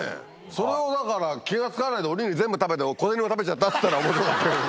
それをだから気が付かないで、お握り全部食べて、小銭も食べちゃったって言ったら、おもしろかったけど。